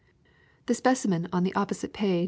The specimen on the op posite page!